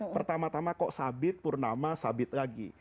pertama tama kok sabit purnama sabit lagi